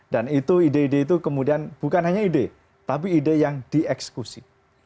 dan itu ide ide itu kemudian bukan hanya ide tapi ide yang dieksekusi